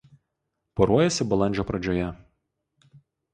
Poruojasi balandžio pradžioje.